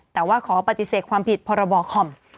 แต่ว่าขอปฏิเสธความผิดพรบคอม